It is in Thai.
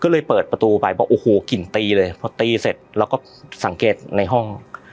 ก็เลยเปิดประตูไปบอกโอ้โหกลิ่นตีเลยพอตีเสร็จเราก็สังเกตในห้อง